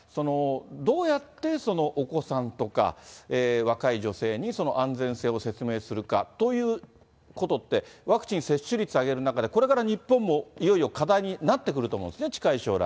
どうやってお子さんとか、若い女性に安全性を説明するかということって、ワクチン接種率上げる中で、これから日本もいよいよ課題になってくると思うんですね、近い将来。